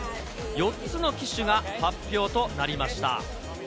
４つの機種が発表となりました。